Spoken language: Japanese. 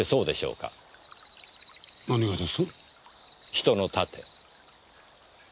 人の盾。